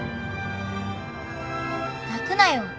泣くなよ。